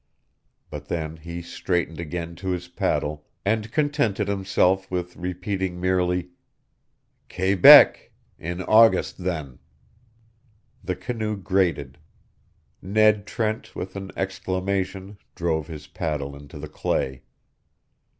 But then he straightened again to his paddle, and contented himself with repeating merely: "Quebec in August, then." The canoe grated. Ned Trent with an exclamation drove his paddle into the clay.